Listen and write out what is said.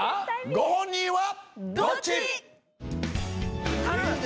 ご本人はどっち？